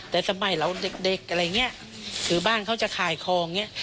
แต่สมัยเราเด็กอะไรเงี้ยคือบ้านเขาจะข่ายคลองเนี้ย